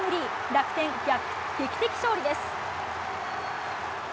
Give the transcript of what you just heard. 楽天、劇的勝利です。